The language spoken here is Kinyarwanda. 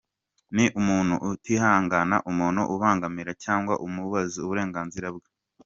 Ni umuntu utihanganira umuntu umubangamira cyangwa umubuza uburenganzira bwe.